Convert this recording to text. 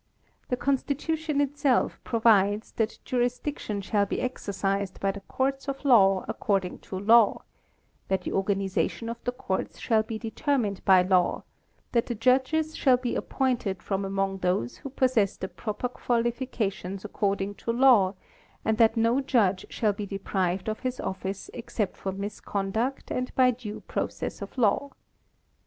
The constitution itself provides that juris diction shall be exercised by the courts of law according to law ; that the organization of the courts shall be determined by law ; that the judges shall be appointed from among those who possess the proper qualifications according to law, and that no judge shall be deprived of his office except for misconduct and by due process of law.